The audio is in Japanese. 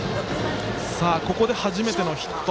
ここで初めてのヒット。